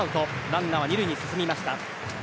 ランナーは２塁に進みました。